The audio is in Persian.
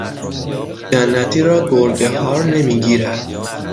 جنتی را گرگ هار نمی گیرد